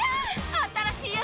新しいやつ！